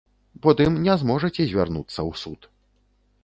Потым не зможаце звярнуцца ў суд.